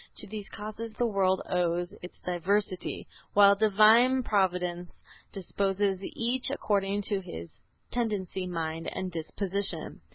To these causes the world owes its diversity, while Divine Providence disposes each according to his tendency, mind and disposition."